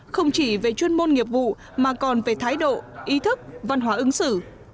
không chỉ về chuyên môn nghiệp vụ mà còn về thái độ ý thức văn hóa ứng xử